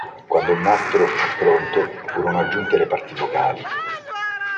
Quando il nastro fu pronto, furono aggiunte le parti vocali.